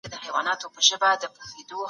د هغوئ سره مرسته وکه